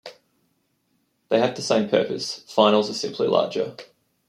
They have the same purpose, finals are simply larger.